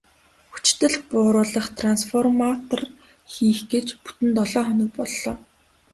Хүчдэл бууруулах трансформатор хийх гэж бүтэн долоо хоног боллоо.